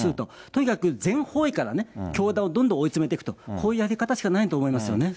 とにかく全方位からね、教団をどんどん追い詰めていくと、こういうやり方しかないと思いますよね。